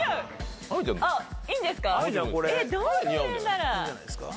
あっいいんですか？